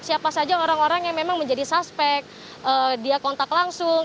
siapa saja orang orang yang memang menjadi suspek dia kontak langsung